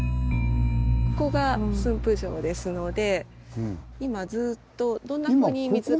ここが駿府城ですので今ずっとどんなふうに水が。